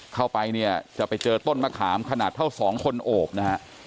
เข้าไปจะไปเจอต้นมะขามคณะเท่า๒คนอบนะฮะ